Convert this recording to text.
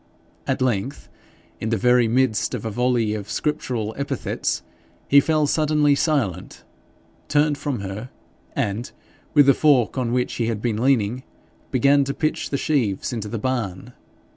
At length, in the very midst of a volley of scriptural epithets, he fell suddenly silent, turned from her, and, with the fork on which he had been leaning, began to pitch the sheaves into the barn.